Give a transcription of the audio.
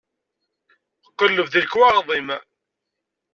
Qelleb deg lekwaɣeḍ-im.